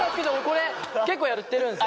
これ結構やってるんですよ